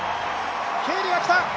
ケーリが来た！